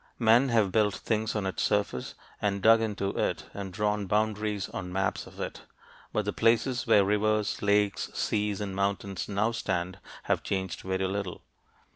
Men have built things on its surface and dug into it and drawn boundaries on maps of it, but the places where rivers, lakes, seas, and mountains now stand have changed very little.